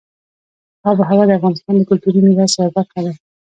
آب وهوا د افغانستان د کلتوري میراث یوه برخه ده.